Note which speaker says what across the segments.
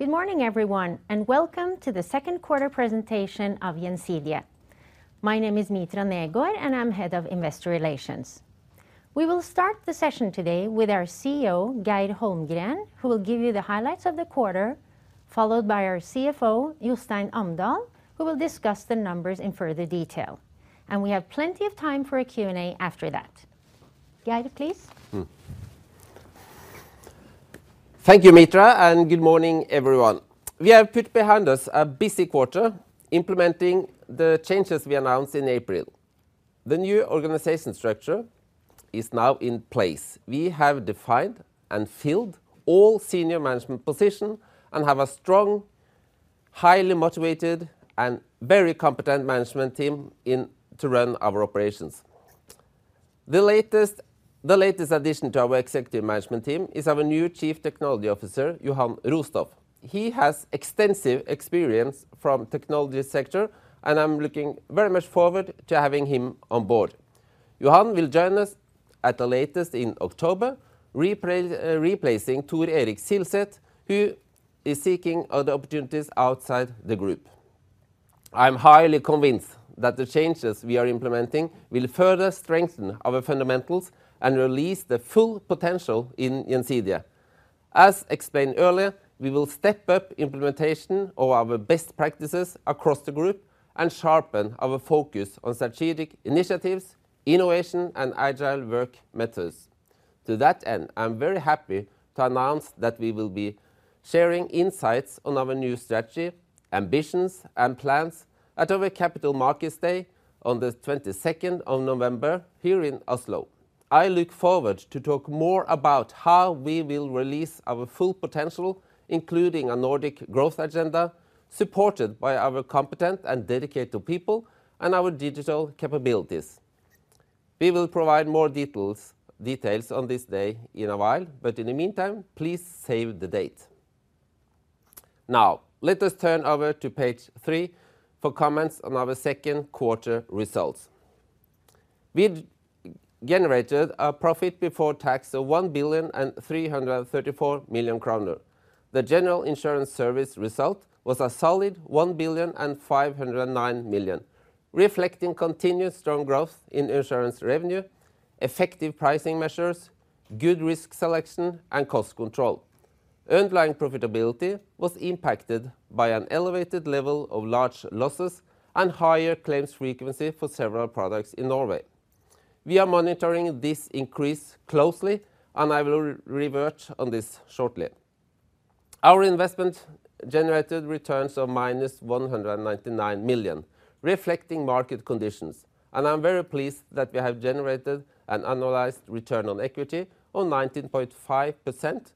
Speaker 1: Good morning, everyone, and welcome to the second quarter presentation of Gjensidige. My name is Mitra Hagen Negård, and I'm Head of Investor Relations. We will start the session today with our CEO, Geir Holmgren, who will give you the highlights of the quarter, followed by our CFO, Jostein Amdal, who will discuss the numbers in further detail. We have plenty of time for a Q&A after that. Geir, please.
Speaker 2: Thank you, Mitra. Good morning, everyone. We have put behind us a busy quarter implementing the changes we announced in April. The new organization structure is now in place. We have defined and filled all senior management position. We have a strong, highly motivated, and very competent management team in to run our operations. The latest addition to our Executive Management Team is our new Chief Technology Officer, Johan Rostoft. He has extensive experience from technology sector. I'm looking very much forward to having him on board. Johan will join us at the latest in October, replacing Tor Erik Silset, who is seeking other opportunities outside the group. I'm highly convinced that the changes we are implementing will further strengthen our fundamentals and release the full potential in Gjensidige. As explained earlier, we will step up implementation of our best practices across the group and sharpen our focus on strategic initiatives, innovation, and agile work methods. To that end, I'm very happy to announce that we will be sharing insights on our new strategy, ambitions, and plans at our Capital Markets Day on the 22nd of November, here in Oslo. I look forward to talk more about how we will release our full potential, including a Nordic growth agenda, supported by our competent and dedicated people and our digital capabilities. We will provide more details on this day in a while, but in the meantime, please save the date. Let us turn over to page three for comments on our second quarter results. We've generated a profit before tax of 1,334 million kroner. The general insurance service result was a solid 1,509 million, reflecting continued strong growth in insurance revenue, effective pricing measures, good risk selection, and cost control. Underlying profitability was impacted by an elevated level of large losses and higher claims frequency for several products in Norway. We are monitoring this increase closely, and I will revert on this shortly. Our investment generated returns of -199 million, reflecting market conditions, and I'm very pleased that we have generated an annualized return on equity of 19.5%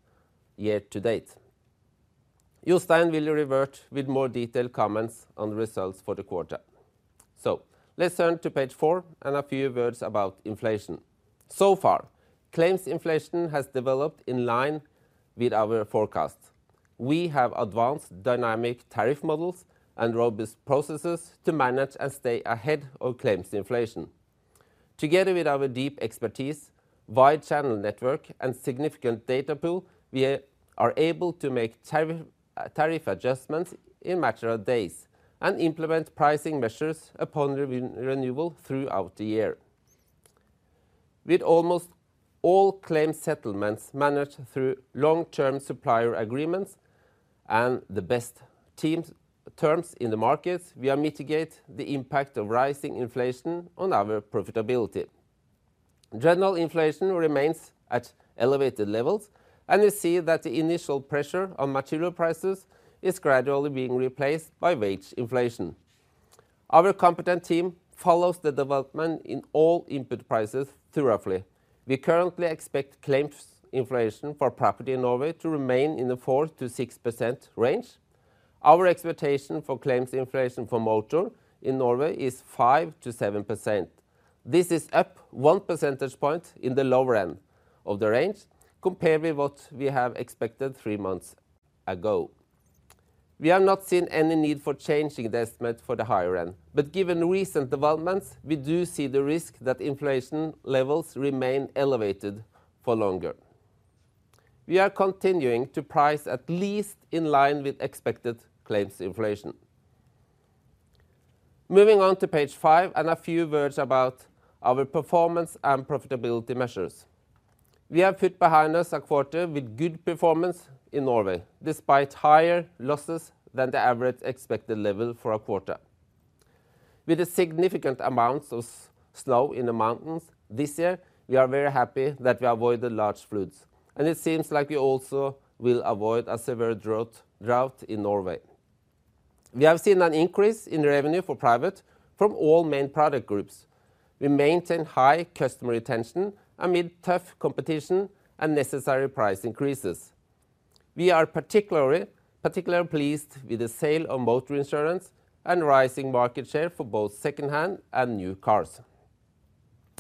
Speaker 2: year to date. Jostein will revert with more detailed comments on the results for the quarter. Let's turn to page four and a few words about inflation. So far, claims inflation has developed in line with our forecast. We have advanced dynamic tariff models and robust processes to manage and stay ahead of claims inflation. Together with our deep expertise, wide channel network, and significant data pool, we are able to make tariff adjustments in a matter of days and implement pricing measures upon re-renewal throughout the year. With almost all claims settlements managed through long-term supplier agreements and the best terms in the market, we are mitigate the impact of rising inflation on our profitability. General inflation remains at elevated levels, and we see that the initial pressure on material prices is gradually being replaced by wage inflation. Our competent team follows the development in all input prices thoroughly. We currently expect claims inflation for property in Norway to remain in the 4%-6% range. Our expectation for claims inflation for motor in Norway is 5%-7%. This is up one percentage point in the lower end of the range compared with what we have expected three months ago. We have not seen any need for changing the estimate for the higher end. Given recent developments, we do see the risk that inflation levels remain elevated for longer. We are continuing to price at least in line with expected claims inflation. Moving on to page five and a few words about our performance and profitability measures. We have put behind us a quarter with good performance in Norway, despite higher losses than the average expected level for a quarter. With the significant amounts of snow in the mountains this year, we are very happy that we avoided large floods. It seems like we also will avoid a severe drought in Norway. We have seen an increase in revenue for private from all main product groups. We maintain high customer retention amid tough competition and necessary price increases. We are particularly pleased with the sale of motor insurance and rising market share for both second hand and new cars.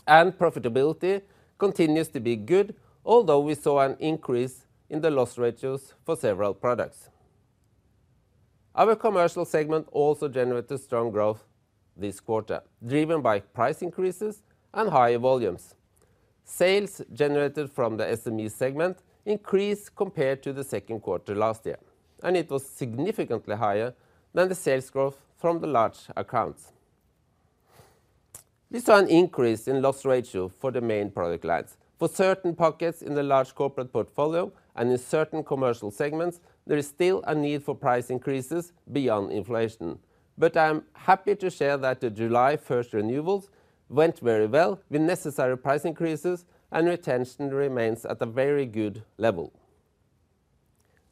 Speaker 2: Profitability continues to be good, although we saw an increase in the loss ratios for several products. Our commercial segment also generated strong growth this quarter, driven by price increases and higher volumes. Sales generated from the SME segment increased compared to the second quarter last year, and it was significantly higher than the sales growth from the large accounts. We saw an increase in loss ratio for the main product lines. For certain pockets in the large corporate portfolio and in certain commercial segments, there is still a need for price increases beyond inflation. I am happy to share that the July first renewals went very well, with necessary price increases, and retention remains at a very good level.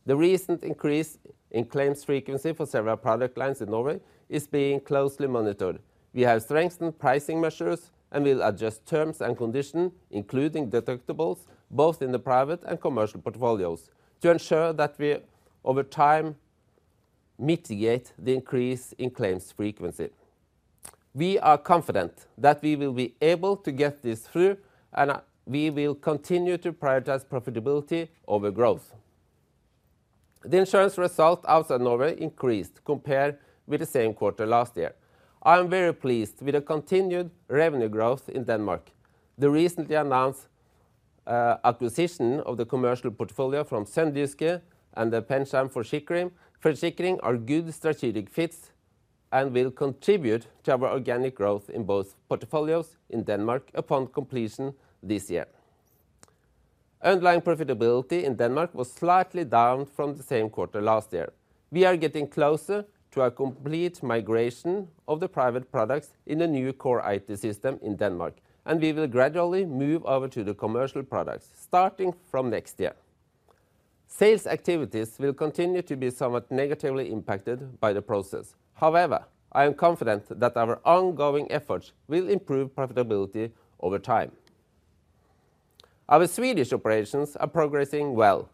Speaker 2: The recent increase in claims frequency for several product lines in Norway is being closely monitored. We have strengthened pricing measures and will adjust terms and conditions, including deductibles, both in the private and commercial portfolios, to ensure that we, over time, mitigate the increase in claims frequency. We are confident that we will be able to get this through, and we will continue to prioritize profitability over growth. The insurance result outside Norway increased compared with the same quarter last year. I am very pleased with the continued revenue growth in Denmark. The recently announced acquisition of the commercial portfolio from Sønderjysk and the PenSam Forsikring, are good strategic fits and will contribute to our organic growth in both portfolios in Denmark upon completion this year. Underlying profitability in Denmark was slightly down from the same quarter last year. We are getting closer to a complete migration of the private products in the new core IT system in Denmark. We will gradually move over to the commercial products, starting from next year. Sales activities will continue to be somewhat negatively impacted by the process. I am confident that our ongoing efforts will improve profitability over time. Our Swedish operations are progressing well,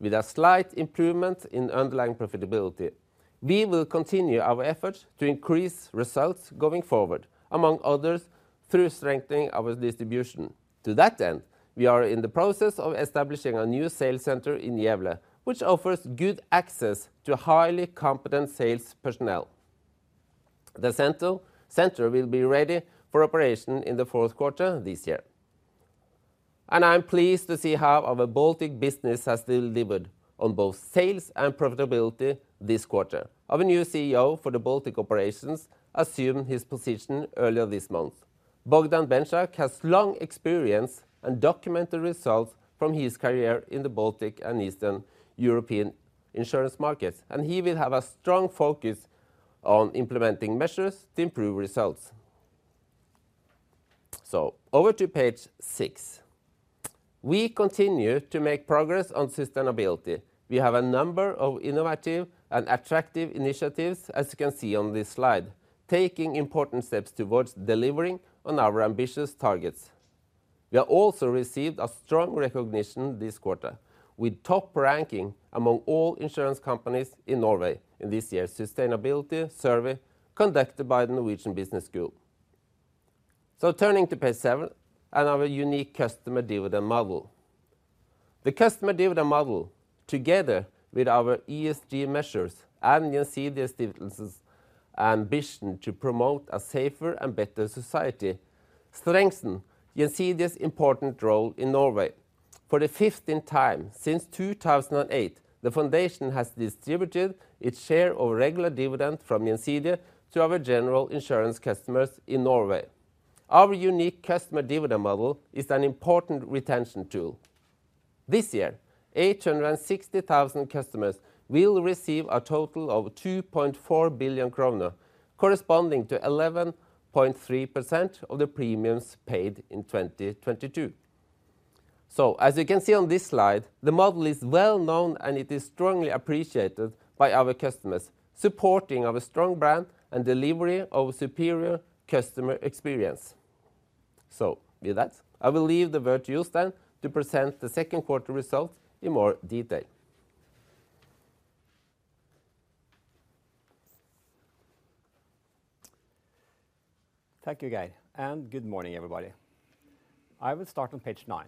Speaker 2: with a slight improvement in underlying profitability. We will continue our efforts to increase results going forward, among others, through strengthening our distribution. To that end, we are in the process of establishing a new sales center in Gävle, which offers good access to highly competent sales personnel. The center will be ready for operation in the fourth quarter this year. I am pleased to see how our Baltic business has delivered on both sales and profitability this quarter. Our new CEO for the Baltic operations assumed his position earlier this month. Bogdan Benczak has long experience and documented results from his career in the Baltic and Eastern European insurance markets, and he will have a strong focus on implementing measures to improve results. Over to page six. We continue to make progress on sustainability. We have a number of innovative and attractive initiatives, as you can see on this slide, taking important steps towards delivering on our ambitious targets. We have also received a strong recognition this quarter, with top ranking among all insurance companies in Norway in this year's sustainability survey, conducted by the Norwegian Business School. Turning to page seven and our unique customer dividend model. The customer dividend model, together with our ESG measures and Gjensidige's ambition to promote a safer and better society, strengthen Gjensidige's important role in Norway. For the 15th time since 2008, the foundation has distributed its share of regular dividend from Gjensidige to our general insurance customers in Norway. Our unique customer dividend model is an important retention tool. This year, 860,000 customers will receive a total of 2.4 billion kroner, corresponding to 11.3% of the premiums paid in 2022. As you can see on this slide, the model is well known, and it is strongly appreciated by our customers, supporting our strong brand and delivery of a superior customer experience. With that, I will leave the word to Jostein to present the second quarter results in more detail.
Speaker 3: Thank you, Geir, good morning, everybody. I will start on page nine.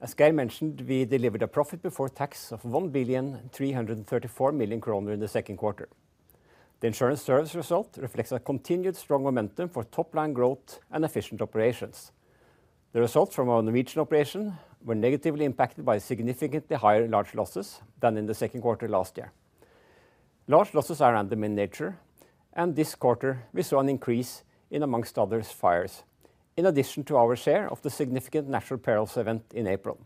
Speaker 3: As Geir mentioned, we delivered a profit before tax of 1,334 million kroner in the second quarter. The insurance service result reflects a continued strong momentum for top-line growth and efficient operations. The results from our Norwegian operation were negatively impacted by significantly higher large losses than in the second quarter last year. Large losses are random in nature, this quarter we saw an increase in, amongst others, fires, in addition to our share of the significant natural perils event in April.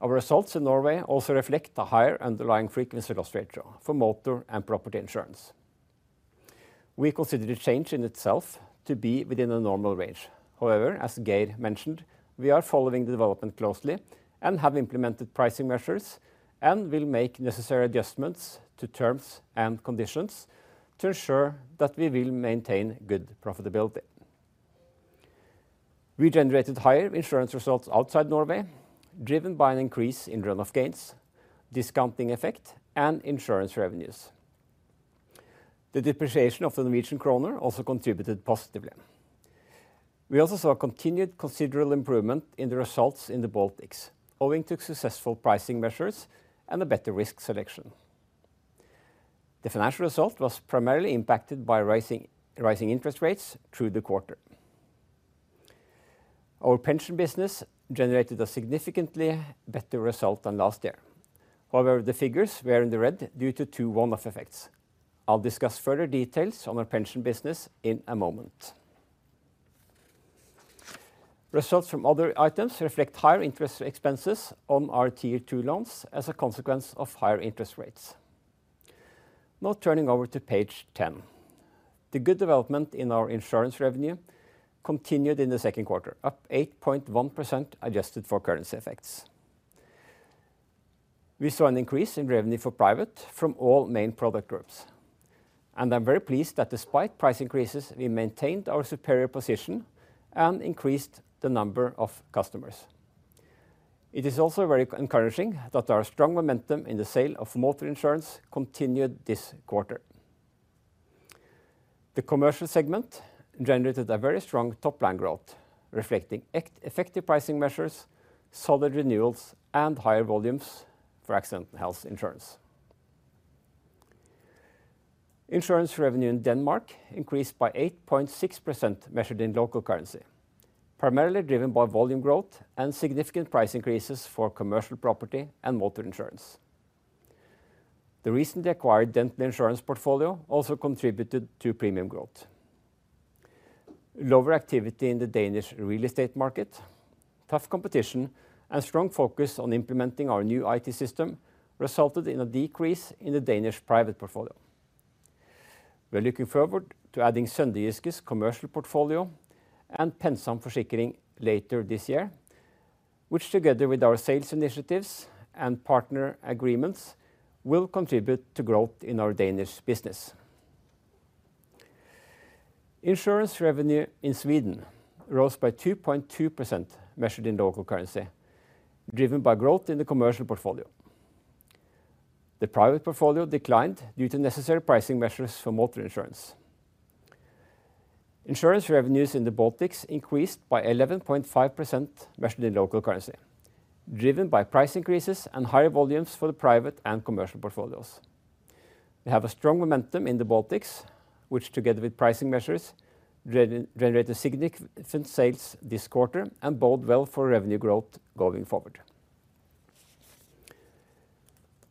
Speaker 3: Our results in Norway also reflect a higher underlying frequency loss ratio for motor and property insurance. We consider the change in itself to be within the normal range. As Geir mentioned, we are following the development closely and have implemented pricing measures and will make necessary adjustments to terms and conditions to ensure that we will maintain good profitability. We generated higher insurance results outside Norway, driven by an increase in run-off gains, discounting effect, and insurance revenues. The depreciation of the Norwegian kroner also contributed positively. We also saw a continued considerable improvement in the results in the Baltics, owing to successful pricing measures and a better risk selection. The financial result was primarily impacted by rising interest rates through the quarter. Our pension business generated a significantly better result than last year. The figures were in the red due to two one-off effects. I'll discuss further details on our pension business in a moment. Results from other items reflect higher interest expenses on our Tier two loans as a consequence of higher interest rates. Turning over to page 10. The good development in our insurance revenue continued in the second quarter, up 8.1%, adjusted for currency effects. We saw an increase in revenue for private from all main product groups, and I'm very pleased that despite price increases, we maintained our superior position and increased the number of customers. It is also very encouraging that our strong momentum in the sale of motor insurance continued this quarter. The commercial segment generated a very strong top-line growth, reflecting effective pricing measures, solid renewals, and higher volumes for accident health insurance. Insurance revenue in Denmark increased by 8.6%, measured in local currency, primarily driven by volume growth and significant price increases for commercial property and motor insurance. The recently acquired dental insurance portfolio also contributed to premium growth. Lower activity in the Danish real estate market, tough competition, and strong focus on implementing our new IT system resulted in a decrease in the Danish private portfolio. We're looking forward to adding Sønderjysk's commercial portfolio and PenSam Forsikring later this year, which, together with our sales initiatives and partner agreements, will contribute to growth in our Danish business. Insurance revenue in Sweden rose by 2.2%, measured in local currency, driven by growth in the commercial portfolio. The private portfolio declined due to necessary pricing measures for motor insurance. Insurance revenues in the Baltics increased by 11.5%, measured in local currency, driven by price increases and higher volumes for the private and commercial portfolios. We have a strong momentum in the Baltics, which, together with pricing measures, generate a significant sales this quarter and bode well for revenue growth going forward.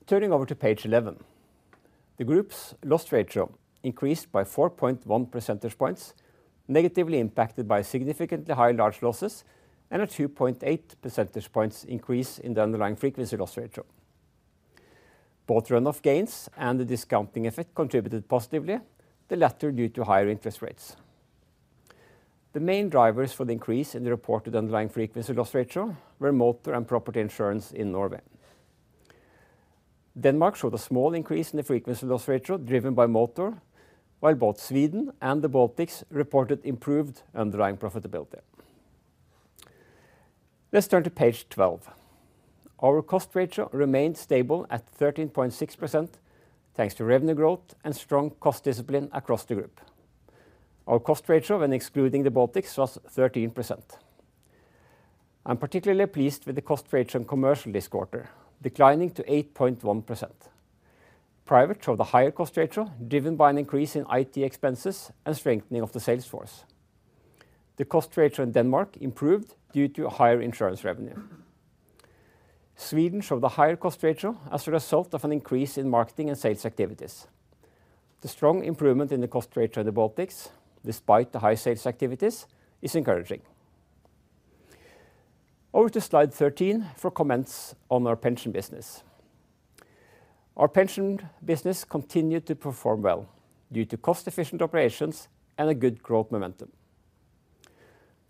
Speaker 3: Turning over to page 11. The group's loss ratio increased by 4.1 percentage points, negatively impacted by significantly higher large losses and a 2.8 percentage points increase in the underlying frequency loss ratio. Both run-off gains and the discounting effect contributed positively, the latter due to higher interest rates. The main drivers for the increase in the reported underlying frequency loss ratio were motor and property insurance in Norway. Denmark showed a small increase in the frequency loss ratio driven by motor, while both Sweden and the Baltics reported improved underlying profitability. Let's turn to page 12. Our cost ratio remained stable at 13.6%, thanks to revenue growth and strong cost discipline across the group. Our cost ratio, when excluding the Baltics, was 13%. I'm particularly pleased with the cost ratio in commercial this quarter, declining to 8.1%. Private showed a higher cost ratio, driven by an increase in IT expenses and strengthening of the sales force. The cost ratio in Denmark improved due to higher insurance revenue. Sweden showed a higher cost ratio as a result of an increase in marketing and sales activities. The strong improvement in the cost ratio in the Baltics, despite the high sales activities, is encouraging. Over to slide 13 for comments on our pension business. Our pension business continued to perform well due to cost-efficient operations and a good growth momentum.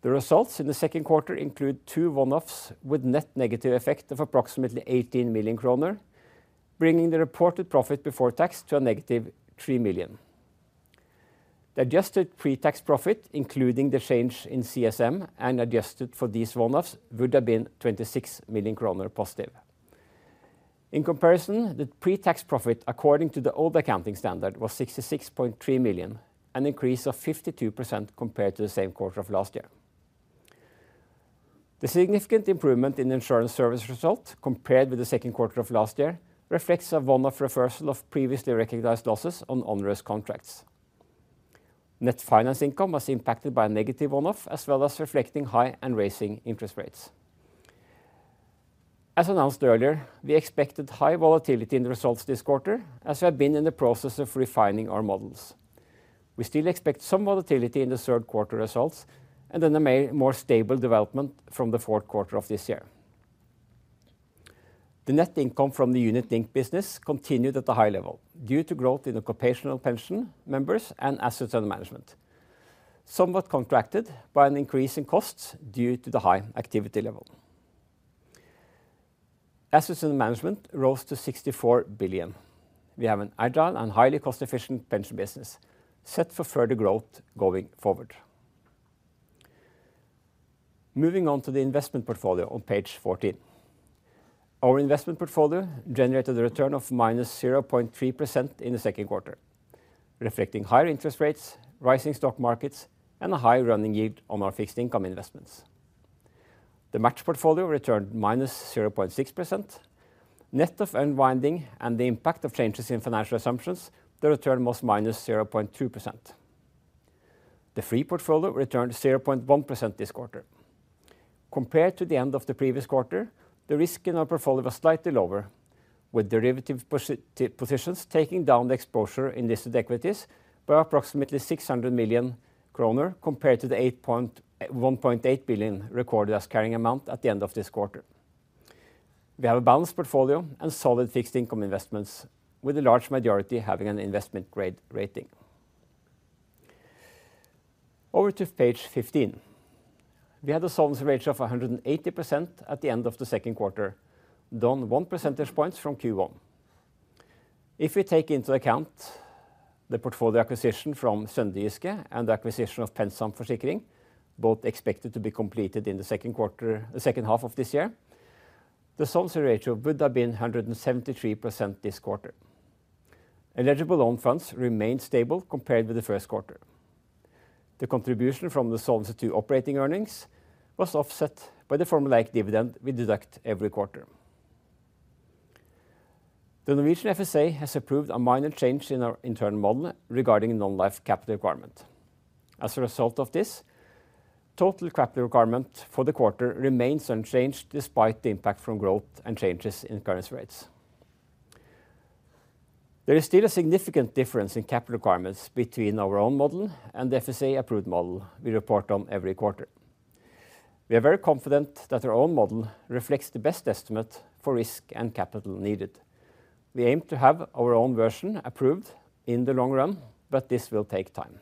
Speaker 3: The results in the second quarter include two one-offs, with net negative effect of approximately 18 million kroner, bringing the reported profit before tax to a negative 3 million. The adjusted pre-tax profit, including the change in CSM and adjusted for these one-offs, would have been 26 million kroner positive. In comparison, the pre-tax profit, according to the old accounting standard, was 66.3 million, an increase of 52% compared to the same quarter of last year. The significant improvement in the insurance service result compared with the second quarter of last year reflects a one-off reversal of previously recognized losses on onerous contracts. Net finance income was impacted by a negative one-off, as well as reflecting high and rising interest rates. As announced earlier, we expected high volatility in the results this quarter, as we have been in the process of refining our models. We still expect some volatility in the third quarter results, and then a more stable development from the fourth quarter of this year. The net income from the unit-linked business continued at a high level due to growth in the occupational pension members and assets under management, somewhat contracted by an increase in costs due to the high activity level. Assets under management rose to 64 billion. We have an agile and highly cost-efficient pension business set for further growth going forward. Moving on to the investment portfolio on page 14. Our investment portfolio generated a return of -0.3% in the second quarter, reflecting higher interest rates, rising stock markets, and a high running yield on our fixed income investments. The match portfolio returned -0.6%. Net of unwinding and the impact of changes in financial assumptions, the return was -0.2%. The free portfolio returned 0.1% this quarter. Compared to the end of the previous quarter, the risk in our portfolio was slightly lower, with derivative positions taking down the exposure in listed equities by approximately 600 million kroner, compared to the 1.8 billion recorded as carrying amount at the end of this quarter. We have a balanced portfolio and solid fixed income investments, with a large majority having an investment grade rating. Over to page 15. We had a solvency ratio of 180% at the end of the second quarter, down one percentage point from Q1. If we take into account the portfolio acquisition from Sønderjysk and the acquisition of PenSam Forsikring, both expected to be completed in the second quarter, the second half of this year, the solvency ratio would have been 173% this quarter. Eligible own funds remained stable compared with the first quarter. The contribution from the Solvency II operating earnings was offset by the formulaic dividend we deduct every quarter. The Norwegian FSA has approved a minor change in our internal model regarding non-life capital requirement. Result of this, total capital requirement for the quarter remains unchanged, despite the impact from growth and changes in current rates. There is still a significant difference in capital requirements between our own model and the FSA-approved model we report on every quarter. We are very confident that our own model reflects the best estimate for risk and capital needed. We aim to have our own version approved in the long run, but this will take time.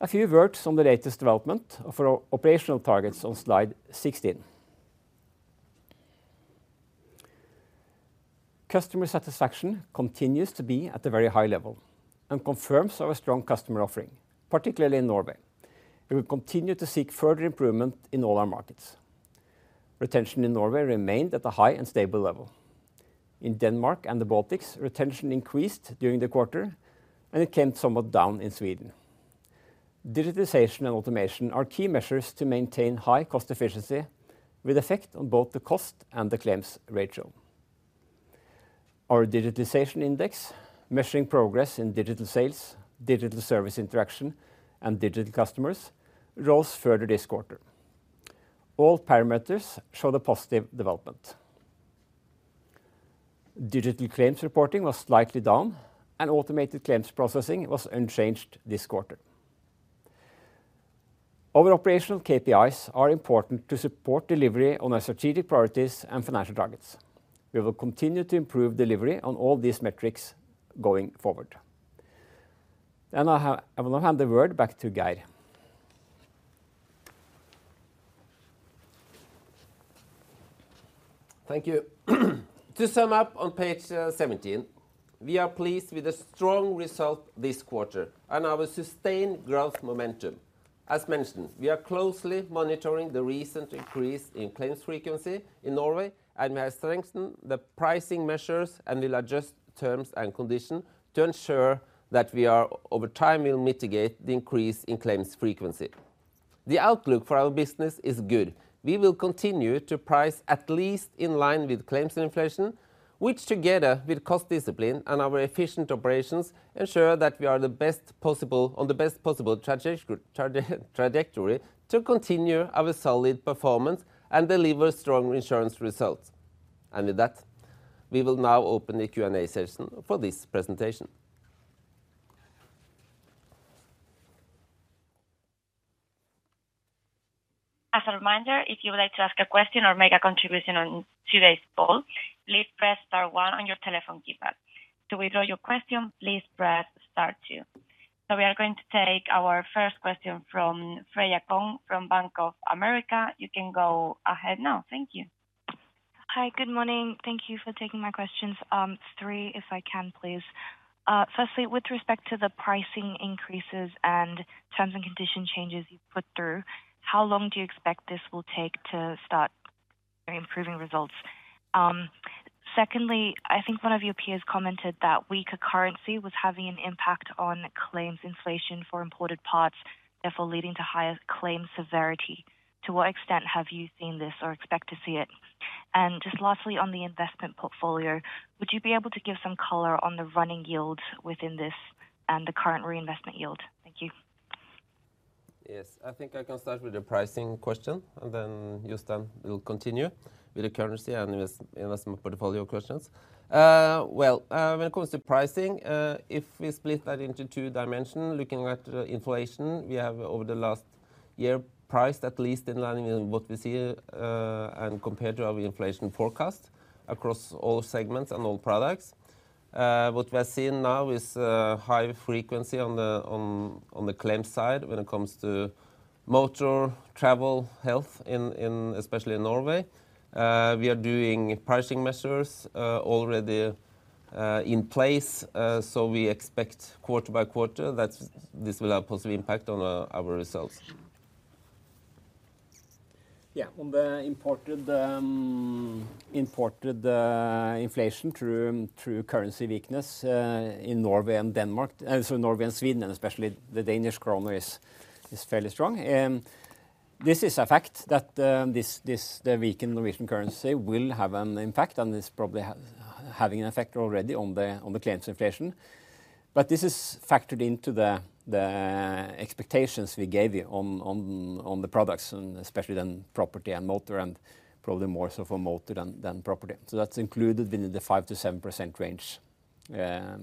Speaker 3: A few words on the latest development of our operational targets on slide 16. Customer satisfaction continues to be at a very high level and confirms our strong customer offering, particularly in Norway. We will continue to seek further improvement in all our markets. Retention in Norway remained at a high and stable level. In Denmark and the Baltics, retention increased during the quarter, and it came somewhat down in Sweden. Digitization and automation are key measures to maintain high cost efficiency, with effect on both the cost and the claims ratio. Our digitization index, measuring progress in digital sales, digital service interaction, and digital customers, rose further this quarter. All parameters show the positive development. Digital claims reporting was slightly down, and automated claims processing was unchanged this quarter. Our operational KPIs are important to support delivery on our strategic priorities and financial targets. We will continue to improve delivery on all these metrics going forward. I will now hand the word back to Geir.
Speaker 2: Thank you. To sum up on page 17, we are pleased with the strong result this quarter and our sustained growth momentum. As mentioned, we are closely monitoring the recent increase in claims frequency in Norway, and we have strengthened the pricing measures and will adjust terms and conditions to ensure that we are, over time, will mitigate the increase in claims frequency. The outlook for our business is good. We will continue to price at least in line with claims inflation, which, together with cost discipline and our efficient operations, ensure that we are the best possible, on the best possible trajectory to continue our solid performance and deliver strong insurance results. With that, we will now open the Q&A session for this presentation.
Speaker 4: As a reminder, if you would like to ask a question or make a contribution on today's call, please press star one on your telephone keypad. To withdraw your question, please press star two. We are going to take our first question from Freya Kong, from Bank of America. You can go ahead now. Thank you.
Speaker 5: Hi. Good morning. Thank you for taking my questions. three, if I can, please. Firstly, with respect to the pricing increases and terms and condition changes you put through, how long do you expect this will take to start improving results? Secondly, I think one of your peers commented that weaker currency was having an impact on claims inflation for imported parts, therefore, leading to higher claims severity. To what extent have you seen this or expect to see it? Just lastly, on the investment portfolio, would you be able to give some color on the running yield within this and the current reinvestment yield? Thank you.
Speaker 2: I think I can start with the pricing question, and then Jostein will continue with the currency and investment portfolio questions. Well, when it comes to pricing, if we split that into two dimensions, looking at inflation, we have, over the last year, priced at least in line with what we see, and compared to our inflation forecast across all segments and all products. What we are seeing now is high frequency on the claims side when it comes to motor, travel, health in especially in Norway. We are doing pricing measures already in place, so we expect quarter by quarter that this will have a positive impact on our results.
Speaker 3: Yeah, on the imported inflation through currency weakness in Norway and Denmark, and so Norway and Sweden, and especially the Danish kroner is fairly strong. This is a fact that this, the weakened Norwegian currency will have an impact, and it's probably having an effect already on the claims inflation. This is factored into the expectations we gave you on the products and especially then property and motor, and probably more so for motor than property. That's included within the 5%-7% range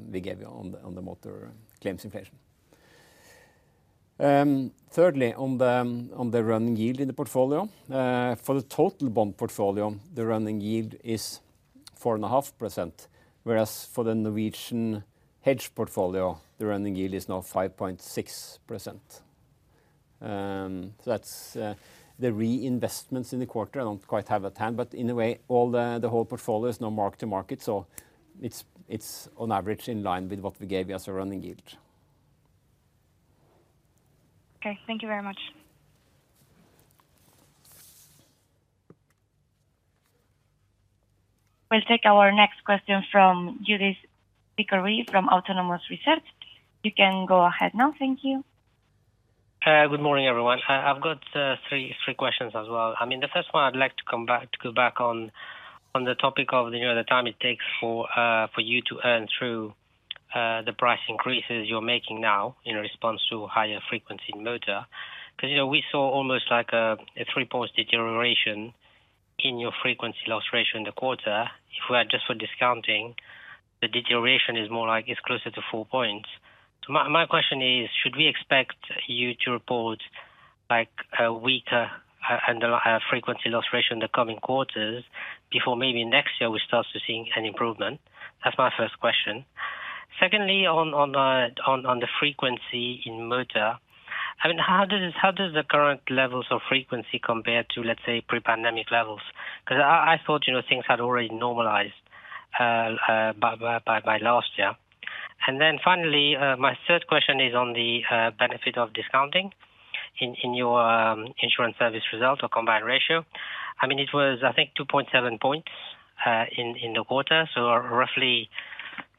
Speaker 3: we gave you on the motor claims inflation. Thirdly, on the running yield in the portfolio, for the total bond portfolio, the running yield is 4.5%, whereas for the Norwegian hedge portfolio, the running yield is now 5.6%. That's the reinvestments in the quarter. I don't quite have at hand, but in a way, the whole portfolio is now mark to market, so it's on average in line with what we gave you as a running yield.
Speaker 5: Okay, thank you very much.
Speaker 4: We'll take our next question from Youdish Chicooree, from Autonomous Research. You can go ahead now. Thank you.
Speaker 6: Good morning, everyone. I've got three questions as well. I mean, the first one, I'd like to go back on the topic of, you know, the time it takes for you to earn through, the price increases you're making now in response to higher frequency in motor. 'Cause, you know, we saw almost like a three-point deterioration in your frequency loss ratio in the quarter. If we are just for discounting, the deterioration is more like it's closer to four points. My question is: should we expect you to report, like, a weaker, and a higher frequency illustration in the coming quarters before maybe next year, we start to seeing an improvement? That's my first question. Secondly, on the frequency in motor, I mean, how does the current levels of frequency compare to, let's say, pre-pandemic levels? 'Cause I thought, you know, things had already normalized by last year. Finally, my third question is on the benefit of discounting in your insurance service result or combined ratio. I mean, it was, I think, 2.7 points in the quarter, so roughly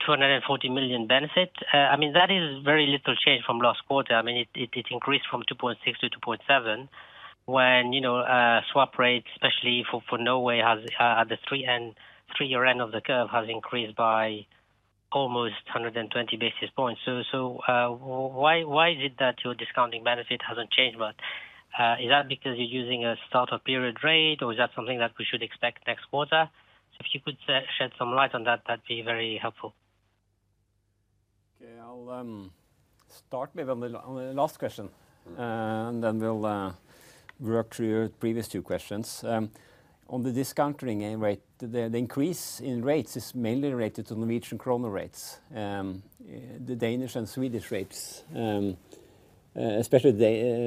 Speaker 6: 240 million benefit. I mean, that is very little change from last quarter. I mean, it increased from 2.6 to 2.7, when, you know, swap rates, especially for Norway, has at the three and three-year end of the curve, has increased by almost 120 basis points. Why is it that your discounting benefit hasn't changed much? Is that because you're using a start-up period rate, or is that something that we should expect next quarter? If you could shed some light on that'd be very helpful.
Speaker 3: Okay. I'll start with on the last question, and then we'll work through your previous two questions. On the discounting rate, the increase in rates is mainly related to Norwegian kroner rates. The Danish and Swedish rates, especially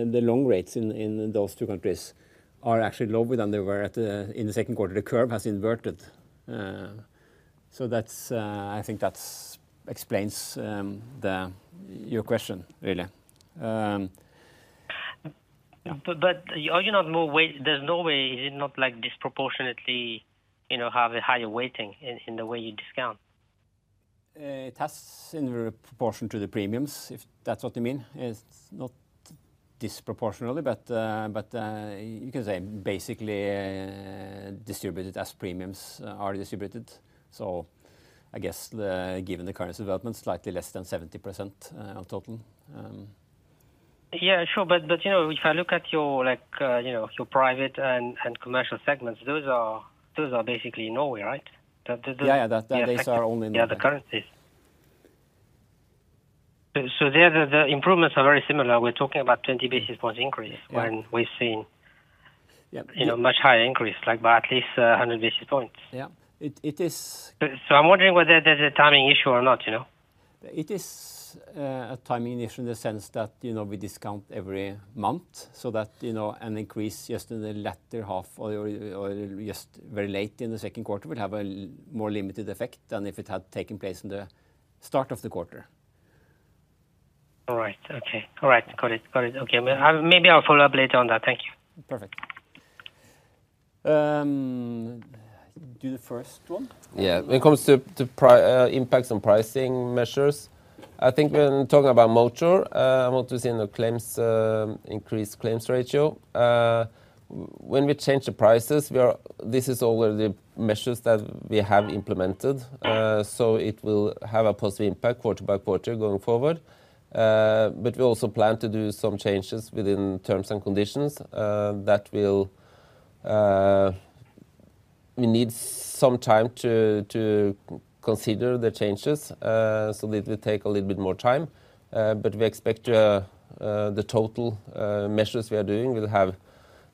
Speaker 3: the long rates in those two countries, are actually lower than they were at the in the second quarter. The curve has inverted. That's I think explains your question, really. Yeah.
Speaker 6: Does Norway, is it not like disproportionately, you know, have a higher weighting in the way you discount?
Speaker 3: It has in proportion to the premiums, if that's what you mean. It's not disproportionately, but you can say basically, distributed as premiums are distributed. I guess the, given the current development, slightly less than 70% on total.
Speaker 6: Yeah, sure. You know, if I look at your like, you know, your private and commercial segments, those are basically Norway, right?
Speaker 3: Yeah, yeah. They.
Speaker 6: Yeah, the currencies. The improvements are very similar. We're talking about 20 basis points increase.
Speaker 3: Yeah.
Speaker 6: when we've seen-
Speaker 3: Yeah...
Speaker 6: you know, much higher increase, like by at least, 100 basis points.
Speaker 3: Yeah. It.
Speaker 6: I'm wondering whether there's a timing issue or not, you know?
Speaker 3: It is a timing issue in the sense that, you know, we discount every month, so that, you know, an increase just in the latter half or just very late in the second quarter would have a more limited effect than if it had taken place in the start of the quarter.
Speaker 6: All right. Okay. All right, got it. Got it. Okay, well, maybe I'll follow up later on that. Thank you.
Speaker 3: Perfect. Do the first one?
Speaker 2: When it comes to impacts on pricing measures, I think when talking about motor, I want to see in the claims, increased claims ratio. When we change the prices, this is already measures that we have implemented.
Speaker 6: Mm.
Speaker 2: It will have a positive impact quarter-by-quarter going forward. We also plan to do some changes within terms and conditions, that will. We need some time to consider the changes, it will take a little bit more time, but we expect the total measures we are doing will have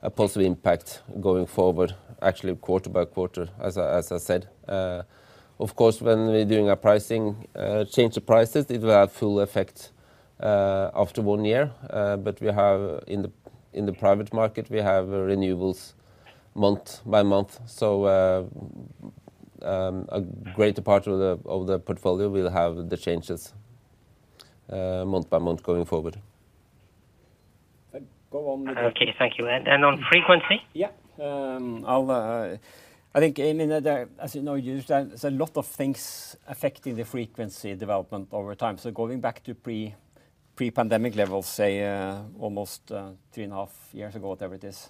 Speaker 2: a positive impact going forward, actually, quarter-by-quarter, as I said. Of course, when we're doing a pricing, change the prices, it will have full effect after one year, but we have in the private market, we have renewals month-by-month. A greater part of the portfolio will have the changes month-by-month going forward.
Speaker 3: Go on with it.
Speaker 6: Okay, thank you. On frequency?
Speaker 3: I think, you know, there's a lot of things affecting the frequency development over time. Going back to pre-pandemic levels, say, almost three and a half years ago, whatever it is,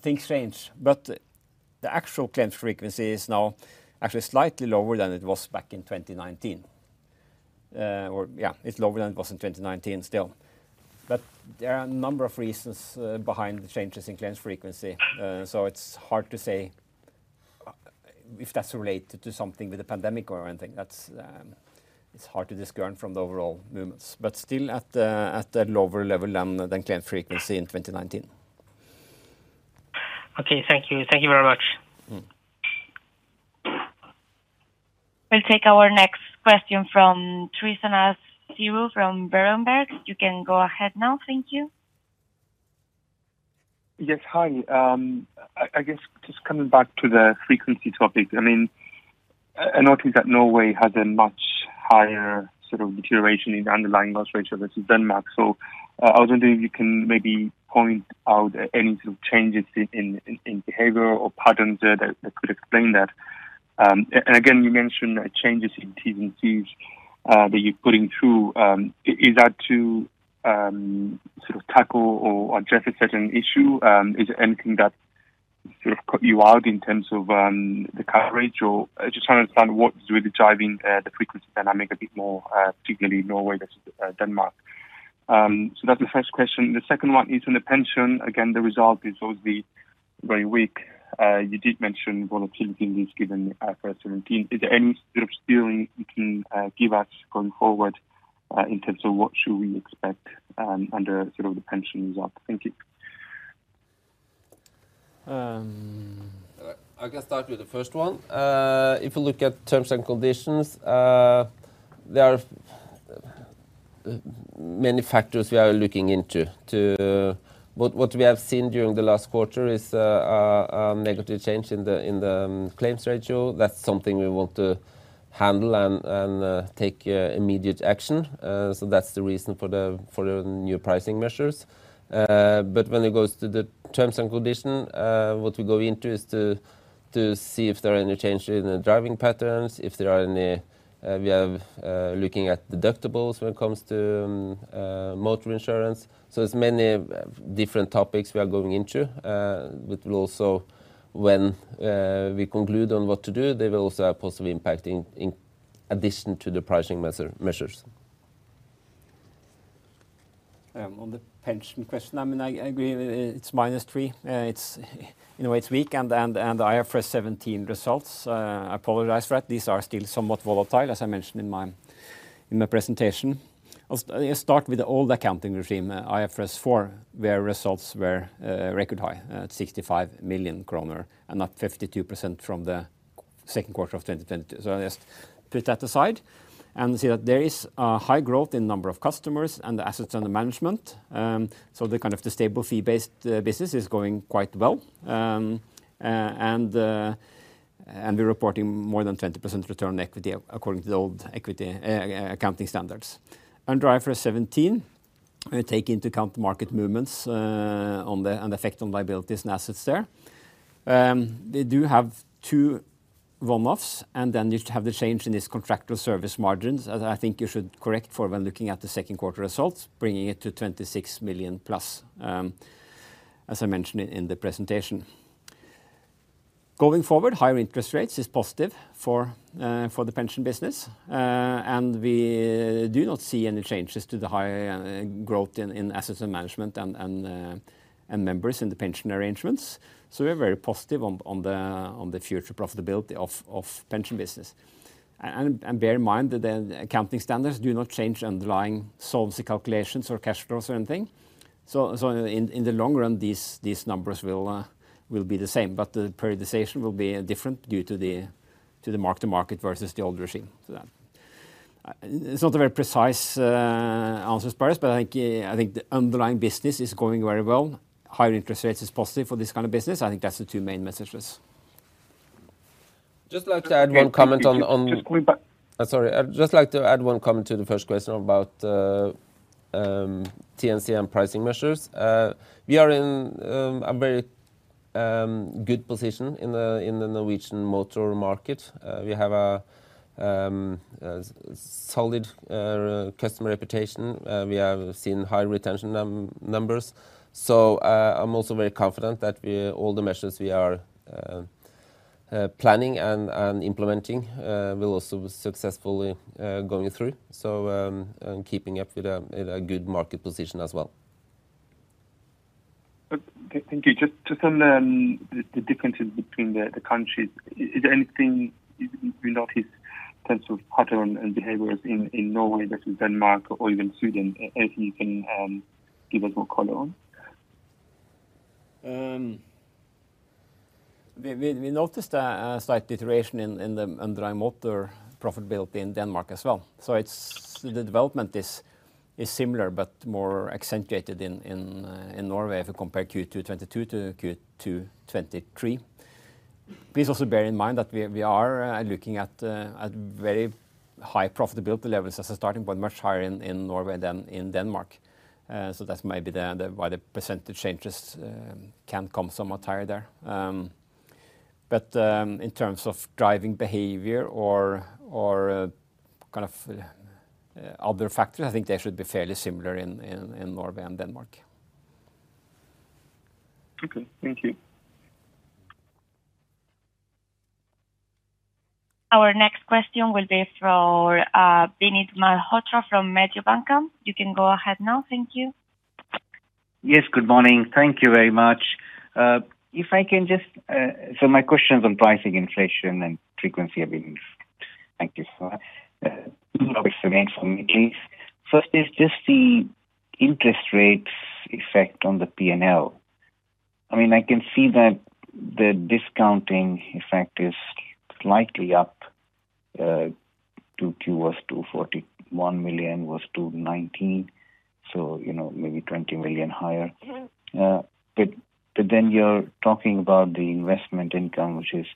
Speaker 3: things change, but the actual claims frequency is now actually slightly lower than it was back in 2019. Or, yeah, it's lower than it was in 2019 still. There are a number of reasons behind the changes in claims frequency. So it's hard to say if that's related to something with the pandemic or anything. That's, it's hard to discern from the overall movements, but still at a lower level than claim frequency in 2019.
Speaker 6: Okay, thank you. Thank you very much.
Speaker 2: Mm-hmm.
Speaker 4: We'll take our next question from Tryfonas Spyrou from Berenberg. You can go ahead now. Thank you.
Speaker 7: Yes, hi. I guess just coming back to the frequency topic, I mean, I notice that Norway has a much higher sort of deterioration in the underlying loss ratio versus Denmark. I was wondering if you can maybe point out any sort of changes in behavior or patterns that could explain that. And again, you mentioned changes in T&Cs that you're putting through. Is that to sort of tackle or address a certain issue? Is there anything that sort of caught you out in terms of the coverage or just trying to understand what's really driving the frequency dynamic a bit more, particularly Norway versus Denmark. That's the first question. The second one is on the pension. Again, the result is obviously very weak. You did mention volatility in this given IFRS 17. Is there any sort of steering you can give us going forward, in terms of what should we expect under sort of the pension result? Thank you.
Speaker 2: I can start with the first one. If you look at terms and conditions, there are many factors we are looking into. What we have seen during the last quarter is a negative change in the claims ratio. That's something we want to handle and take immediate action. That's the reason for the new pricing measures. When it goes to the terms and condition, what we go into is to see if there are any changes in the driving patterns, if there are any, we have looking at deductibles when it comes to motor insurance. There's many different topics we are going into, which will also when we conclude on what to do, they will also have possibly impact in addition to the pricing measures.
Speaker 3: On the pension question, I mean, I agree, it's -3. It's, you know, it's weak and IFRS 17 results, I apologize for that. These are still somewhat volatile, as I mentioned in my presentation. I'll start with the old accounting regime, IFRS 4, where results were record high at 65 million kroner, and not 52% from the second quarter of 2020. Let's put that aside, and see that there is a high growth in number of customers and the assets under management. The kind of the stable fee-based business is going quite well. We're reporting more than 20% return on equity, according to the old equity accounting standards. Under IFRS 17, we take into account the market movements and effect on liabilities and assets there. They do have two one-offs, and then you have the change in this contractual service margin, as I think you should correct for when looking at the second quarter results, bringing it to 26 million+, as I mentioned in the presentation. Going forward, higher interest rates is positive for the pension business, and we do not see any changes to the higher growth in assets and management and members in the pension arrangements. We're very positive on the future profitability of pension business. Bear in mind that the accounting standards do not change underlying solvency calculations or cash flows or anything. In the long run, these numbers will be the same, but the periodization will be different due to the mark-to-market versus the old regime. That. It's not a very precise answer as far as, but I think the underlying business is going very well. Higher interest rates is positive for this kind of business. I think that's the two main messages.
Speaker 7: Just like to add one comment on... Just quickly. Sorry. I'd just like to add one comment to the first question about TNC and pricing measures. We are in a very good position in the Norwegian motor market. We have a solid customer reputation. We have seen high retention numbers, so I'm also very confident that all the measures we are planning and implementing will also be successfully going through. Keeping up with a good market position as well. Thank you. Just to sum, the differences between the countries, is there anything you notice in terms of pattern and behaviors in Norway versus Denmark or even Sweden, as you can give us more color on?
Speaker 2: We noticed a slight deterioration in the dry motor profitability in Denmark as well. It's, the development is similar but more accentuated in Norway, if you compare Q2 2022 to Q2 2023. Please also bear in mind that we are looking at very high profitability levels as a starting point, much higher in Norway than in Denmark. That's maybe the why the % changes can come somewhat higher there. In terms of driving behavior or kind of other factors, I think they should be fairly similar in Norway and Denmark.
Speaker 7: Okay, thank you.
Speaker 4: Our next question will be from Vinit Malhotra from Mediobanca. You can go ahead now. Thank you.
Speaker 8: Yes, good morning. Thank you very much. My question is on pricing, inflation, and frequency of earnings. Thank you so much. First is just the interest rates effect on the P&L. I mean, I can see that the discounting effect is slightly up, to Q was 241 million, was 219. You know, maybe 20 million higher. Then you're talking about the investment income, which is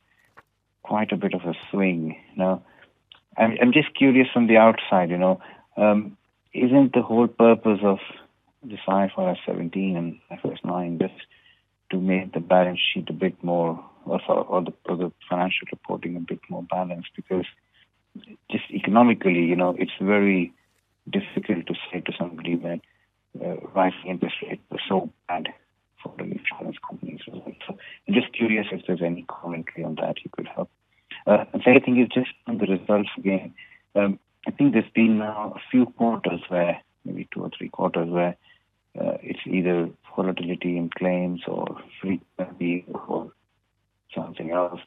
Speaker 8: quite a bit of a swing. I'm just curious from the outside, you know, isn't the whole purpose of the IFRS 17 and IFRS 9 just to make the balance sheet a bit more or for, or the, or the financial reporting a bit more balanced? Because just economically, you know, it's very difficult to say to somebody that rising interest rates are so bad for the insurance companies as well. I'm just curious if there's any commentary on that you could help. The second thing is just on the results again. I think there's been now a few quarters where, maybe two or three quarters, where it's either volatility in claims or frequency or something else,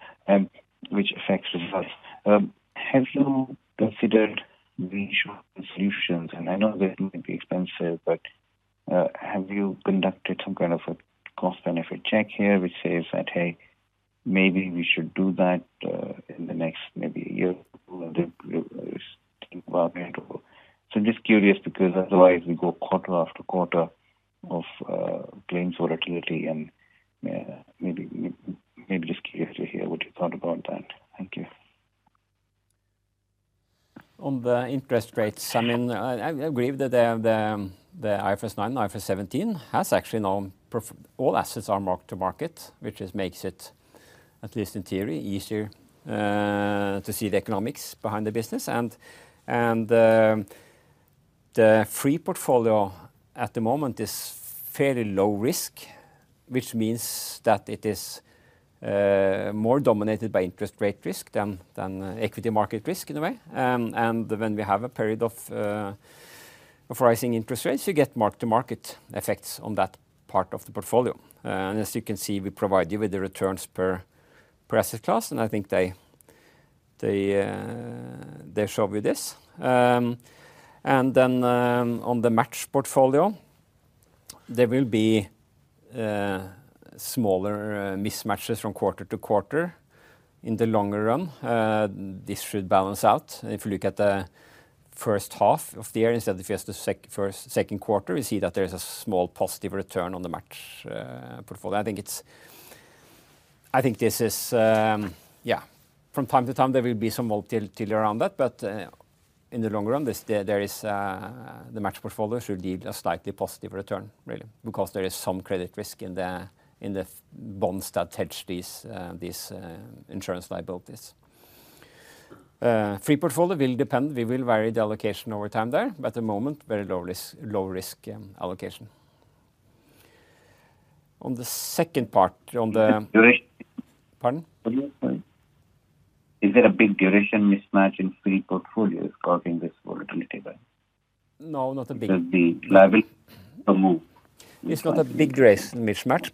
Speaker 8: which affects results. Have you considered reinsurance solutions? I know they may be expensive, but, have you conducted some kind of a cost-benefit check here, which says that, "Hey, maybe we should do that in the next maybe a year or two?" I'm just curious, because otherwise we go quarter after quarter of claims volatility, and maybe just curious to hear what you thought about that. Thank you.
Speaker 3: On the interest rates, I mean, I agree that the IFRS 9, IFRS 17 has actually now all assets are mark to market, which just makes it, at least in theory, easier to see the economics behind the business. The free portfolio at the moment is fairly low risk, which means that it is more dominated by interest rate risk than equity market risk in a way. When we have a period of rising interest rates, you get mark-to-market effects on that part of the portfolio. As you can see, we provide you with the returns per asset class, and I think they show you this. On the match portfolio, there will be smaller mismatches from quarter to quarter. In the longer run, this should balance out. If you look at the first half of the year, instead of just the first, second quarter, we see that there is a small positive return on the match portfolio. I think this is, yeah, from time to time, there will be some volatility around that, but, in the long run, this there is the match portfolio should yield a slightly positive return, really, because there is some credit risk in the bonds that hedge these insurance liabilities. Free portfolio will depend. We will vary the allocation over time there, but at the moment, very low risk allocation.
Speaker 8: Duration.
Speaker 3: Pardon?
Speaker 8: Is there a big duration mismatch in free portfolios causing this volatility then?
Speaker 3: No, not a big-.
Speaker 8: The liability per move.
Speaker 3: It's not a big duration mismatch.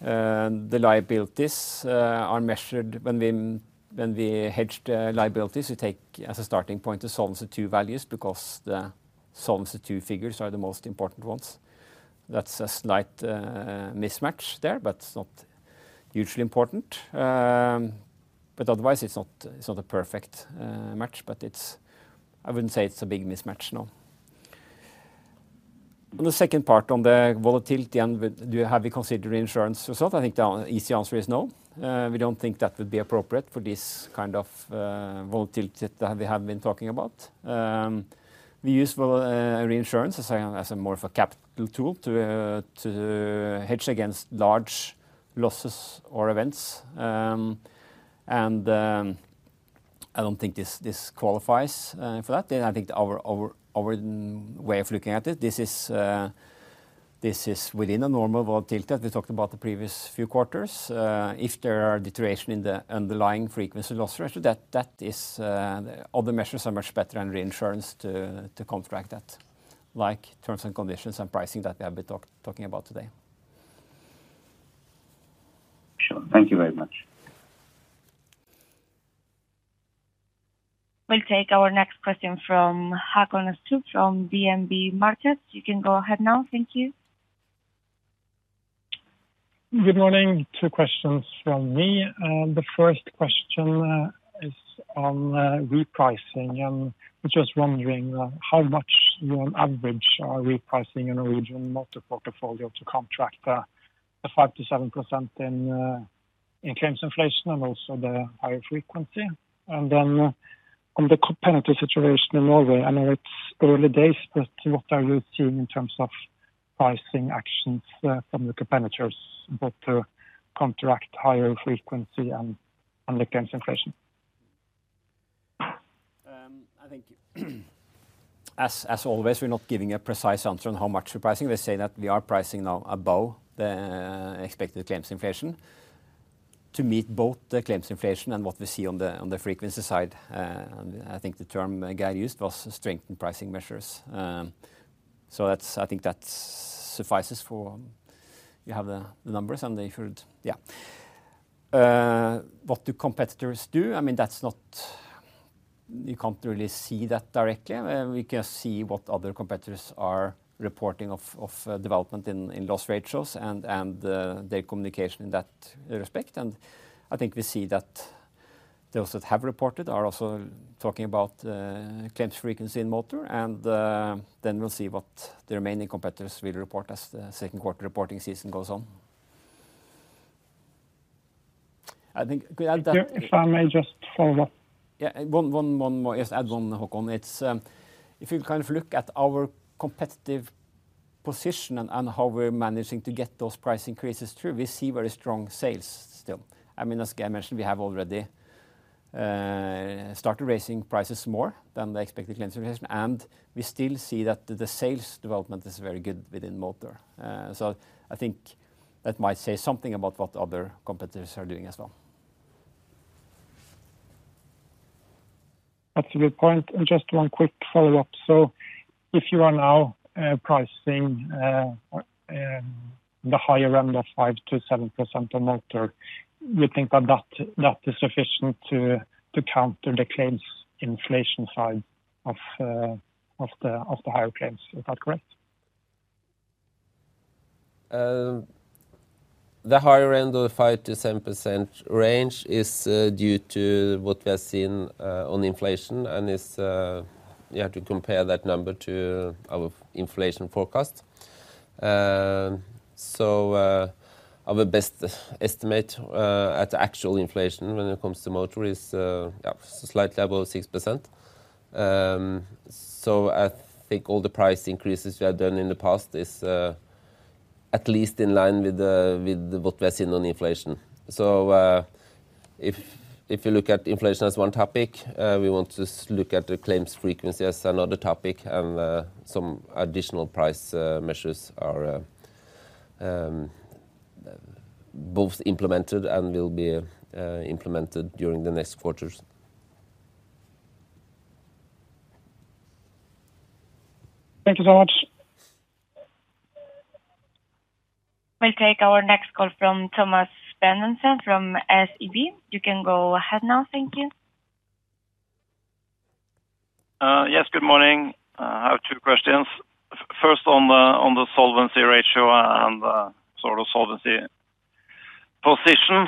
Speaker 3: The liabilities are measured when we, when we hedge the liabilities, we take as a starting point, the Solvency II values, because the Solvency II figures are the most important ones. That's a slight mismatch there. It's not hugely important. Otherwise, it's not a perfect match. I wouldn't say it's a big mismatch, no. On the second part, on the volatility and with, have you considered reinsurance result? I think the easy answer is no. We don't think that would be appropriate for this kind of volatility that we have been talking about. We use reinsurance as a, as a more of a capital tool to hedge against large losses or events. I don't think this qualifies for that. I think our way of looking at it, this is within a normal volatility that we talked about the previous few quarters. If there are deterioration in the underlying frequency loss ratio, that is other measures are much better than reinsurance to contract that, like terms and conditions and pricing that we have been talking about today.
Speaker 8: Sure. Thank you very much.
Speaker 4: We'll take our next question from Håkon Astrup from DNB Markets. You can go ahead now. Thank you.
Speaker 9: Good morning. Two questions from me. The first question is on repricing, I'm just wondering how much you on average are repricing in a region motor portfolio to contract the 5%-7% in claims inflation and also the higher frequency? On the competitive situation in Norway, I know it's early days, but what are you seeing in terms of pricing actions from the competitors, both to contract higher frequency and claims inflation?
Speaker 3: I think as always, we're not giving a precise answer on how much we're pricing. We say that we are pricing now above the expected claims inflation to meet both the claims inflation and what we see on the, on the frequency side. I think the term Geir used was strengthened pricing measures. That's, I think that's suffices for you have the numbers, and they should. What do competitors do? I mean, that's not you can't really see that directly. We can see what other competitors are reporting of development in loss ratios and their communication in that respect. I think we see that those that have reported are also talking about claims frequency in motor, then we'll see what the remaining competitors will report as the second quarter reporting season goes on.
Speaker 9: If I may just follow up?
Speaker 2: Yeah, one more. Just add one, Hakon. It's, if you kind of look at our competitive position and how we're managing to get those price increases through, we see very strong sales still. I mean, as I mentioned, we have already started raising prices more than the expected claims inflation. We still see that the sales development is very good within motor. I think that might say something about what other competitors are doing as well.
Speaker 9: That's a good point, and just one quick follow-up. If you are now, pricing, the higher end of 5%-7% on motor, we think that is sufficient to counter the claims inflation side of the higher claims. Is that correct?
Speaker 3: The higher end of the 5%-7% range is due to what we have seen on inflation, and is, you have to compare that number to our inflation forecast. Our best estimate at actual inflation when it comes to motor is slightly above 6%. I think all the price increases we have done in the past is at least in line with what we're seeing on inflation. If you look at inflation as one topic, we want to look at the claims frequency as another topic, and some additional price measures are both implemented and will be implemented during the next quarters.
Speaker 9: Thank you so much.
Speaker 4: We'll take our next call from Thomas Svendsen from SEB. You can go ahead now. Thank you.
Speaker 10: Yes, good morning. I have two questions. First, on the solvency ratio and sort of solvency position.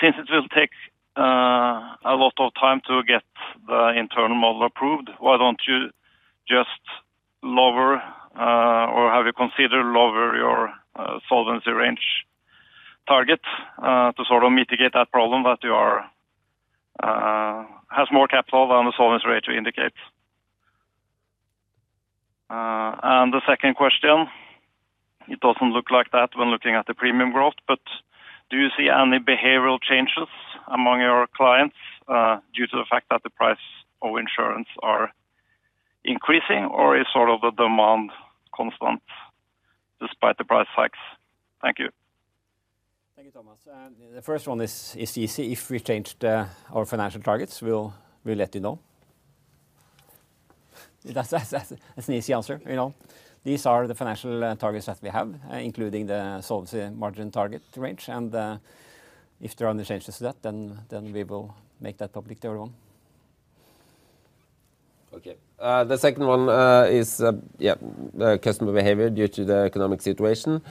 Speaker 10: Since it will take a lot of time to get the internal model approved, why don't you just lower, or have you considered lower your solvency range target, to sort of mitigate that problem that you are, has more capital than the solvency ratio indicates? The second question, it doesn't look like that when looking at the premium growth, but do you see any behavioral changes among your clients, due to the fact that the price of insurance are increasing, or is sort of the demand constant despite the price hikes? Thank you.
Speaker 3: Thank you, Thomas. The first one is easy. If we changed our financial targets, we'll let you know. That's an easy answer, you know? These are the financial targets that we have, including the solvency margin target range, and if there are any changes to that, then we will make that public to everyone.
Speaker 2: Okay, the second one is the customer behavior due to the economic situation.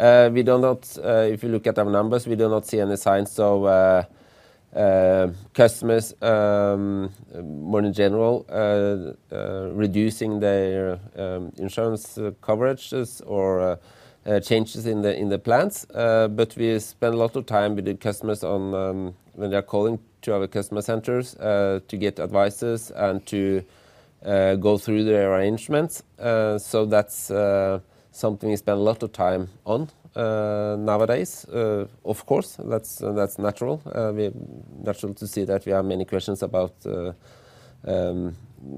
Speaker 2: We do not, if you look at our numbers, we do not see any signs of customers more in general reducing their insurance coverages or changes in the plans. We spend a lot of time with the customers on when they are calling to our customer centers to get advices and to go through their arrangements. That's something we spend a lot of time on nowadays. Of course, that's natural. Natural to see that we have many questions about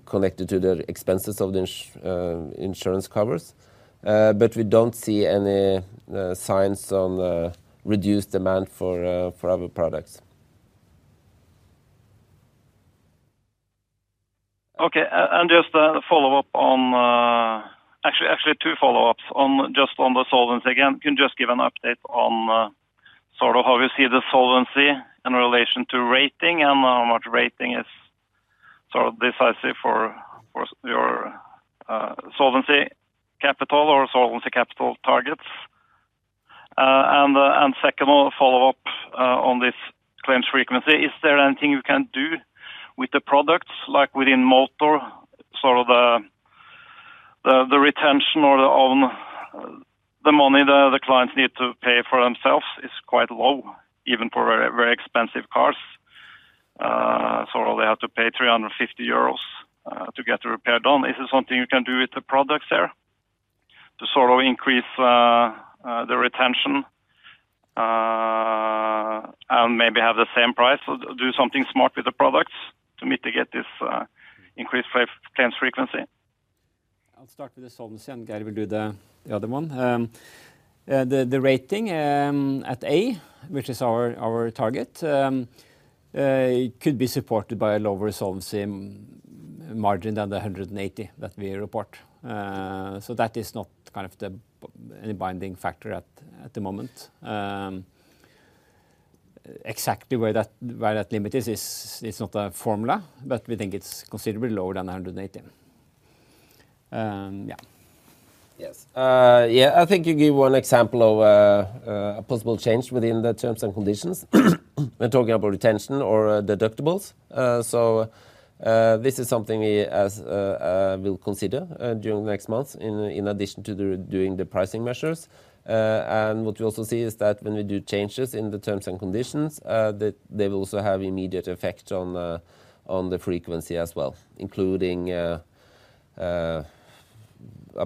Speaker 2: connected to the expenses of the insurance covers. We don't see any signs on the reduced demand for our products.
Speaker 10: Just a follow-up on two follow-ups on, just on the solvency. Again, can you just give an update on sort of how you see the solvency in relation to rating, and how much rating is sort of decisive for your solvency capital or solvency capital targets? Second follow-up on this claims frequency, is there anything you can do with the products, like within motor, sort of the retention or the own the money the clients need to pay for themselves is quite low, even for very, very expensive cars. They have to pay 350 euros to get the repair done. Is there something you can do with the products there to sort of increase the retention, and maybe have the same price, or do something smart with the products to mitigate this increased claim frequency?
Speaker 3: I'll start with the solvency, and Geir will do the other one. The rating at A, which is our target, it could be supported by a lower solvency margin than the 180 that we report. That is not kind of the, any binding factor at the moment. Exactly where that limit is, it's not a formula, but we think it's considerably lower than 180. Yeah.
Speaker 2: Yes. Yeah, I think you give one example of a possible change within the terms and conditions, when talking about retention or deductibles. This is something we, as, will consider during the next months in addition to doing the pricing measures. What we also see is that when we do changes in the terms and conditions, that they will also have immediate effect on the frequency as well, including a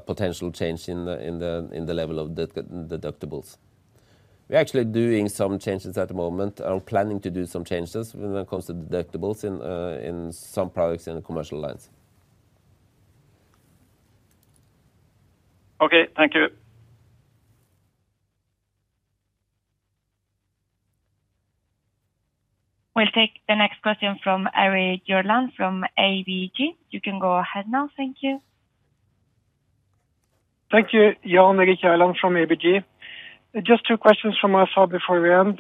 Speaker 2: potential change in the level of deductibles. We're actually doing some changes at the moment and planning to do some changes when it comes to deductibles in some products in the commercial lines.
Speaker 10: Okay, thank you.
Speaker 4: We'll take the next question from Erik Gjerland, from ABG. You can go ahead now. Thank you.
Speaker 11: Thank you. Jan Erik Gjerland from ABG. Just two questions from my side before we end.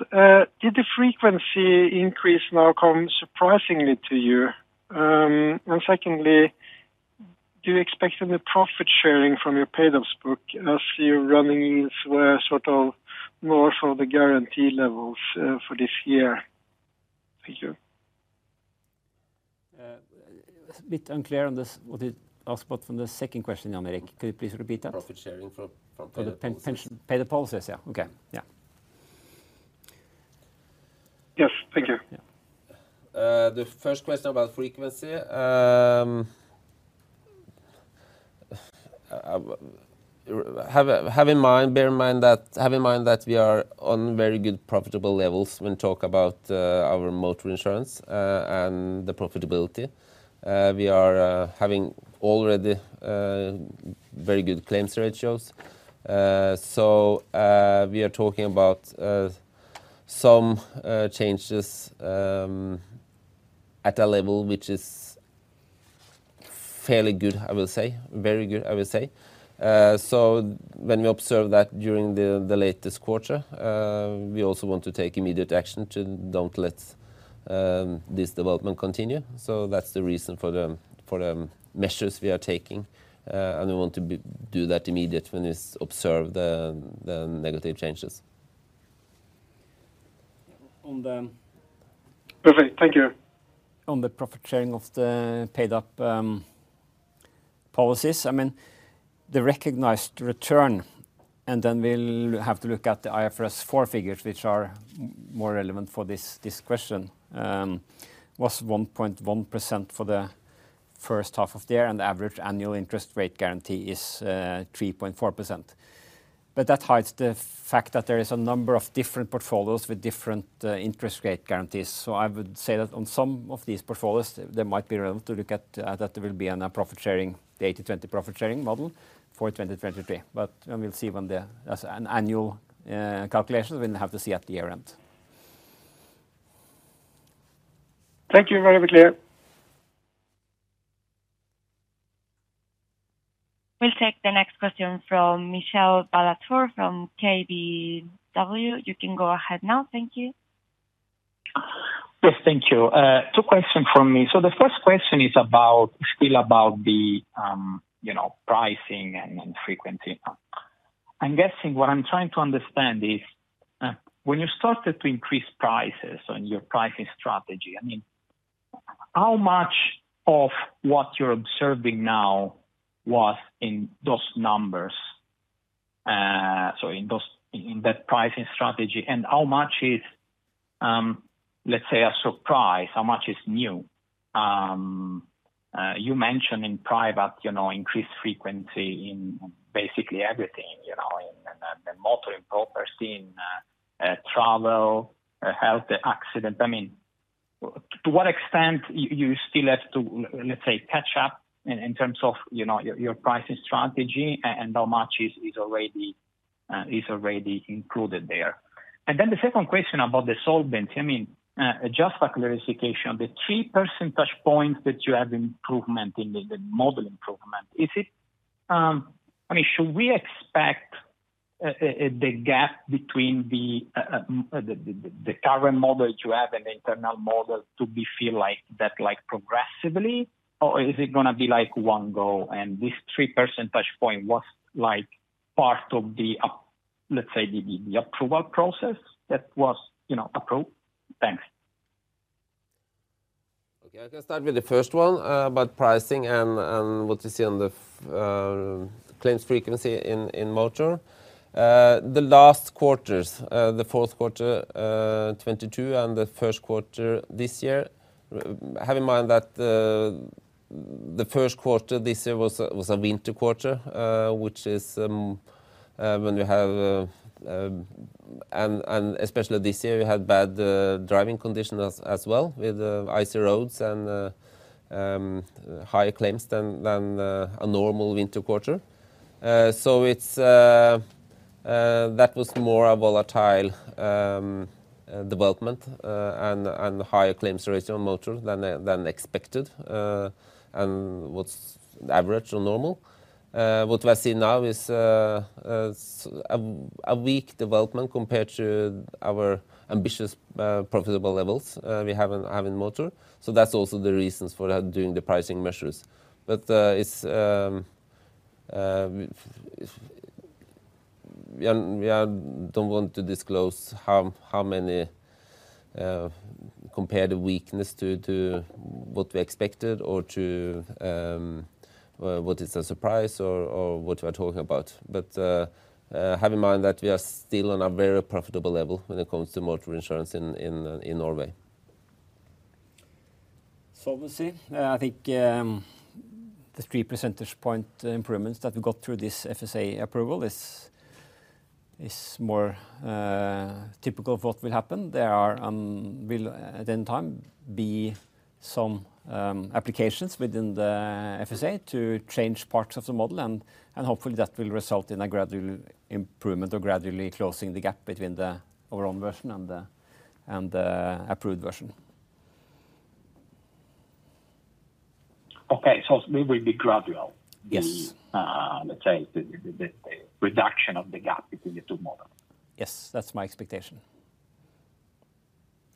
Speaker 11: Did the frequency increase now come surprisingly to you? Secondly, do you expect any profit sharing from your paid-up book, as your runoffs were sort of more for the guarantee levels, for this year? Thank you.
Speaker 3: A bit unclear on this, what you asked about from the second question, Jan Erik. Could you please repeat that?
Speaker 2: Profit sharing from paid-up policies.
Speaker 3: From the pension paid policies. Yeah. Okay. Yeah.
Speaker 11: Yes. Thank you.
Speaker 3: Yeah.
Speaker 2: The first question about frequency, have in mind that we are on very good profitable levels when talk about our motor insurance and the profitability. We are having already very good claims ratios. We are talking about some changes at a level which is fairly good, I will say. Very good, I will say. When we observe that during the latest quarter, we also want to take immediate action to don't let this development continue. That's the reason for the measures we are taking, and we want to do that immediately when it's observed the negative changes.
Speaker 3: On the-
Speaker 11: Perfect. Thank you.
Speaker 3: On the profit sharing of the paid-up policies, I mean, the recognized return, and then we'll have to look at the IFRS 4 figures, which are more relevant for this question, was 1.1% for the first half of the year, and the average annual interest rate guarantee is 3.4%. That hides the fact that there is a number of different portfolios with different interest rate guarantees. I would say that on some of these portfolios, there might be relevant to look at that there will be an profit sharing, the 80/20 profit sharing model for 2023. We'll see when the, as an annual calculation, we'll have to see at the year end.
Speaker 11: Thank you. Very clear.
Speaker 4: We'll take the next question from Michele Ballatore from KBW. You can go ahead now. Thank you.
Speaker 12: Yes, thank you. Two questions from me. The first question is about, still about the, you know, pricing and frequency. I'm guessing what I'm trying to understand is, when you started to increase prices on your pricing strategy, I mean, how much of what you're observing now was in those numbers? In those, in that pricing strategy, and how much is, let's say, a surprise? How much is new? You mentioned in private, you know, increased frequency in basically everything, you know, in the motor and property, travel, health, accident. I mean, to what extent you still have to, let's say, catch up in terms of, you know, your pricing strategy, and how much is already included there. The second question about the solvent, I mean, just for clarification, the three percentage points that you have improvement in the model improvement, is it, I mean, should we expect the gap between the current model you have and the internal model to be fill like that, like progressively? Or is it gonna be like one go, and this three percentage point was like part of the up, let's say, the approval process that was, you know, approved? Thanks.
Speaker 2: Okay, I can start with the first one, about pricing and what you see on the claims frequency in motor. The last quarters, the fourth quarter 2022, and the first quarter this year, have in mind that the first quarter this year was a winter quarter, which is when you have... Especially this year, we had bad driving conditions as well, with icy roads and higher claims than a normal winter quarter. That was more a volatile development and higher claims ratio on motor than expected and what's average or normal. What we are seeing now is a weak development compared to our ambitious profitable levels we have in motor, that's also the reasons for doing the pricing measures. It's we don't want to disclose how many compare the weakness to what we expected or to what is a surprise or what we are talking about. Have in mind that we are still on a very profitable level when it comes to motor insurance in Norway.
Speaker 3: Solvency, I think, the percentage point improvements that we got through this FSA approval is more typical of what will happen. There will at any time be some applications within the FSA to change parts of the model and hopefully that will result in a gradual improvement or gradually closing the gap between the overall version and the approved version.
Speaker 12: Okay, it will be gradual?
Speaker 3: Yes.
Speaker 12: let's say, the reduction of the gap between the two models.
Speaker 3: Yes, that's my expectation.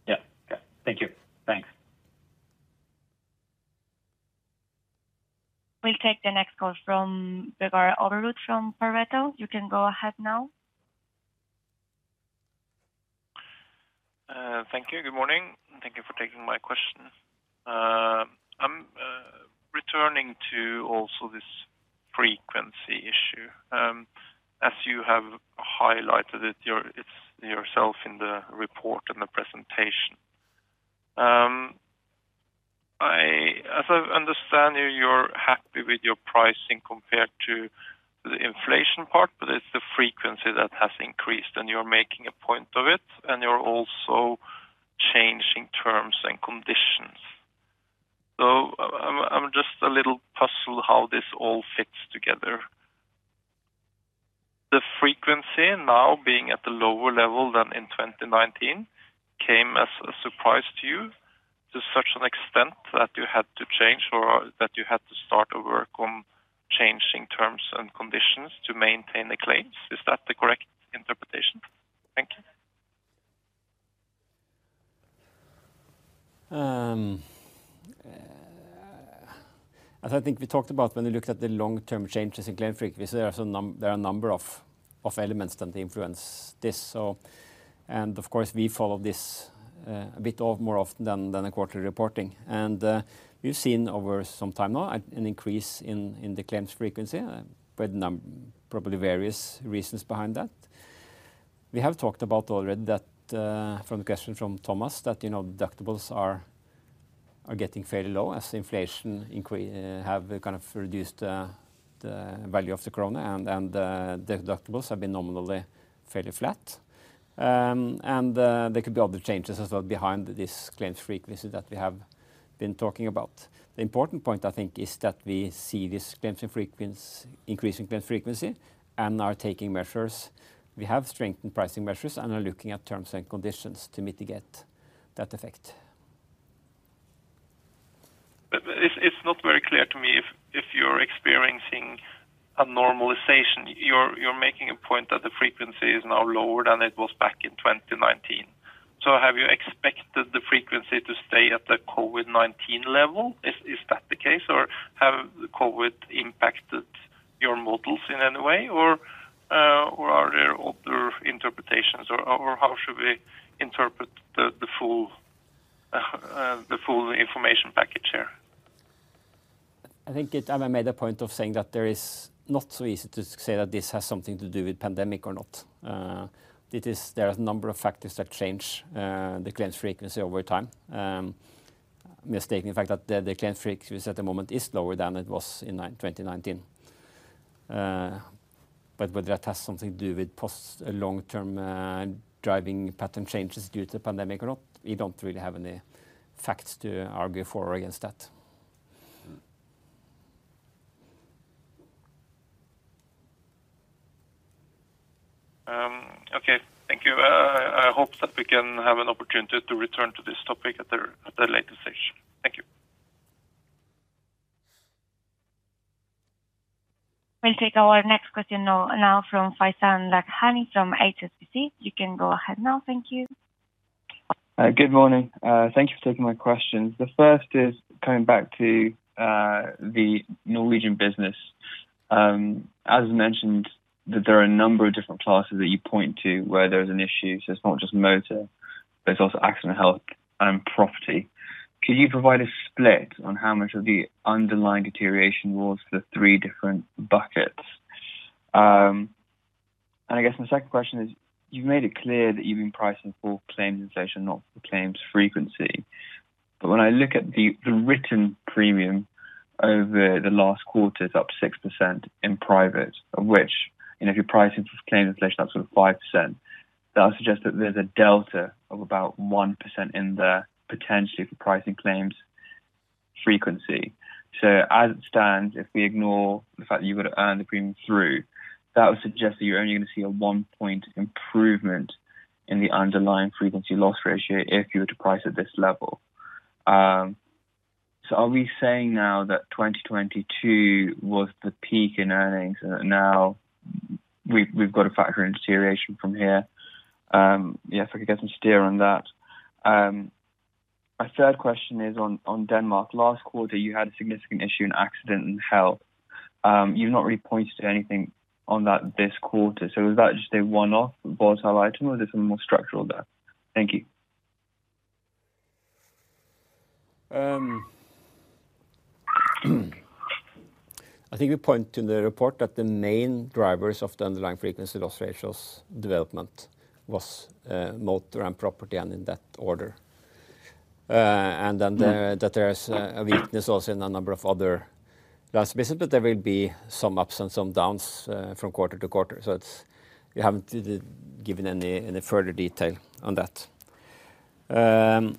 Speaker 12: Yeah. Yeah. Thank you. Thanks.
Speaker 4: We'll take the next call from Vegard Toverud from Pareto Securities. You can go ahead now.
Speaker 13: Thank you. Good morning, and thank you for taking my question. I'm returning to also this frequency issue, as you have highlighted it yourself in the report and the presentation. As I understand you're happy with your pricing compared to the inflation part, but it's the frequency that has increased, and you're making a point of it, and you're also changing terms and conditions. I'm just a little puzzled how this all fits together. The frequency now being at a lower level than in 2019, came as a surprise to you, to such an extent that you had to change or that you had to start a work on changing terms and conditions to maintain the claims. Is that the correct interpretation? Thank you.
Speaker 3: As I think we talked about when we looked at the long-term changes in claims frequency, there are a number of elements that influence this. Of course, we follow this a bit more often than a quarterly reporting. We've seen over some time now, an increase in the claims frequency, probably various reasons behind that. We have talked about already that, from the question from Thomas, that, you know, deductibles are getting fairly low as inflation increase have kind of reduced the value of the corona, and the deductibles have been nominally fairly flat. There could be other changes as well behind this claims frequency that we have been talking about. The important point, I think, is that we see this claims frequency, increase in claims frequency and are taking measures. We have strengthened pricing measures and are looking at terms and conditions to mitigate that effect.
Speaker 13: It's not very clear to me if you're experiencing a normalization, you're making a point that the frequency is now lower than it was back in 2019. Have you expected the frequency to stay at the COVID-19 level? Is that the case, or have the COVID impacted your models in any way, or are there other interpretations, or how should we interpret the full information package here?
Speaker 3: I think it, I made a point of saying that there is not so easy to say that this has something to do with pandemic or not. There are a number of factors that change the claims frequency over time. Mistaking the fact that the claims frequency at the moment is lower than it was in 2019. Whether that has something to do with post long-term driving pattern changes due to the pandemic or not, we don't really have any facts to argue for or against that.
Speaker 13: Okay, thank you. I hope that we can have an opportunity to return to this topic at a later stage. Thank you.
Speaker 4: We'll take our next question now from Faizan Lakhani from HSBC. You can go ahead now. Thank you.
Speaker 14: Good morning. Thank you for taking my questions. The first is coming back to the Norwegian business. As mentioned, that there are a number of different classes that you point to where there's an issue. It's not just motor, but it's also accident health and property. Can you provide a split on how much of the underlying deterioration was for the three different buckets? I guess my second question is, you've made it clear that you've been pricing for claims inflation, not the claims frequency, but when I look at the written premium over the last quarter, it's up 6% in private, of which, you know, if you're pricing for claims inflation, that's sort of 5%. That suggests that there's a delta of about 1% in the potentially for pricing claims frequency. As it stands, if we ignore the fact that you've got to earn the premium through, that would suggest that you're only going to see a one-point improvement in the underlying frequency loss ratio if you were to price at this level. Are we saying now that 2022 was the peak in earnings, and now we've got to factor in deterioration from here? Yeah, if I could get some steer on that. My third question is on Denmark. Last quarter, you had a significant issue in accident and health. You've not really pointed to anything on that this quarter. Is that just a one-off volatile item, or there's something more structural there? Thank you.
Speaker 2: I think we point to the report that the main drivers of the underlying frequency loss ratios development was motor and property, and in that order. There is a weakness also in a number of other line of business, but there will be some ups and some downs from quarter to quarter. We haven't given any further detail on that.
Speaker 14: Sorry,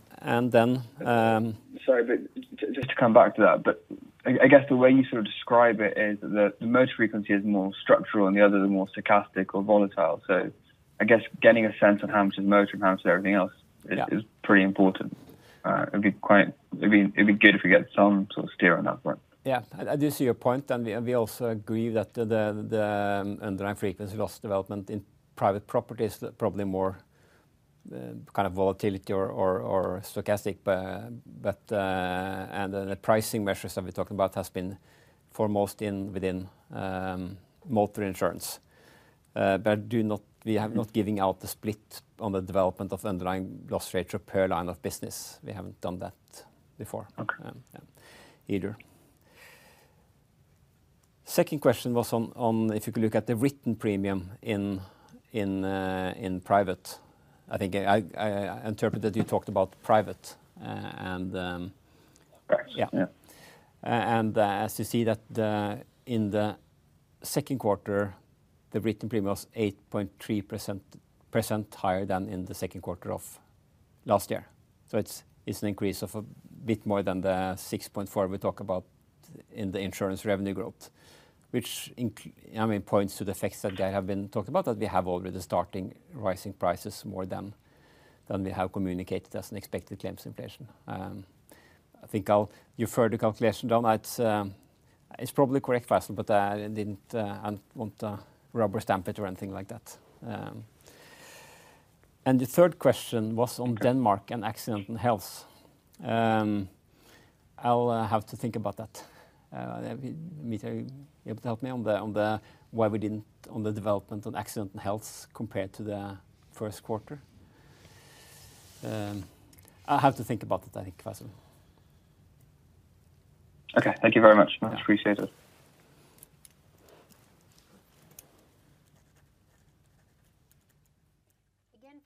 Speaker 14: just to come back to that, I guess the way you sort of describe it is that the motor frequency is more structural and the other is more stochastic or volatile. I guess getting a sense of how much is motor and how much is everything else-
Speaker 2: Yeah.
Speaker 14: is pretty important. It'd be good if we get some sort of steer on that one.
Speaker 3: Yeah, I do see your point, and we also agree that the underlying frequency loss development in private property is probably more kind of volatility or stochastic. The pricing measures that we talked about has been foremost in, within motor insurance. We have not giving out the split on the development of underlying loss ratio per line of business. We haven't done that before.
Speaker 14: Okay.
Speaker 3: Yeah. Either. Second question was on if you could look at the written premium in private. I think I interpreted you talked about private and.
Speaker 14: Correct.
Speaker 3: Yeah.
Speaker 14: Yeah.
Speaker 3: As you see that, in the second quarter, the written premium was 8.3% higher than in the second quarter of last year. It's an increase of a bit more than the 6.4 we talk about in the insurance revenue growth, which I mean, points to the effects that I have been talking about, that we have already starting rising prices more than we have communicated as an expected claims inflation. I think I'll defer the calculation down. It's probably correct, Faizan, but I didn't, I want to rubber stamp it or anything like that. The third question was on Denmark and accident and health. I'll have to think about that. Mitra, you able to help me on the why we didn't on the development on accident and health compared to the first quarter? I have to think about that, Faizan.
Speaker 14: Okay. Thank you very much. Much appreciated.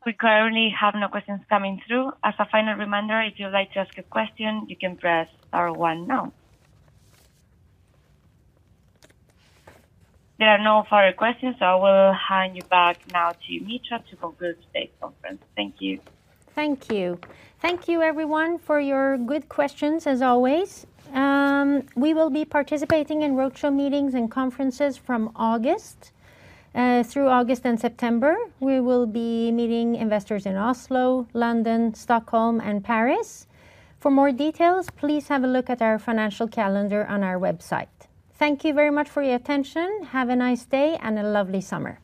Speaker 4: We currently have no questions coming through. As a final reminder, if you'd like to ask a question, you can press star one now. There are no further questions. I will hand you back now to Mitra to conclude today's conference. Thank you.
Speaker 1: Thank you. Thank you everyone for your good questions as always. We will be participating in roadshow meetings and conferences from August through August and September. We will be meeting investors in Oslo, London, Stockholm, and Paris. For more details, please have a look at our financial calendar on our website. Thank you very much for your attention. Have a nice day and a lovely summer.